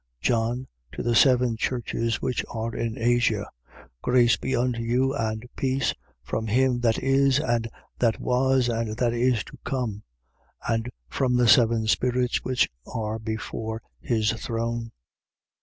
1:4. John to the seven churches which are in Asia. Grace be unto you and peace, from him that is and that was and that is to come: and from the seven spirits which are before his throne: 1:5.